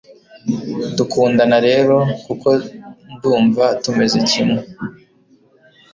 dukundana rero. kuko ndumva tumeze kimwe